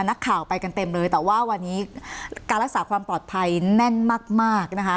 นักข่าวไปกันเต็มเลยแต่ว่าวันนี้การรักษาความปลอดภัยแน่นมากมากนะคะ